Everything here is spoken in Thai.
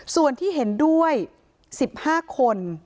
ส่วนที่เห็นด้วย๑๕คน